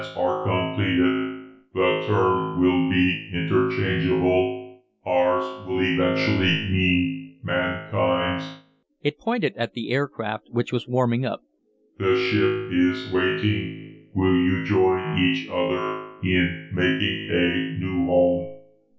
"When our plans are completed, the term will be interchangeable. 'Ours' will eventually mean mankind's." It pointed at the aircraft, which was warming up. "The ship is waiting. Will you join each other in making a new home?"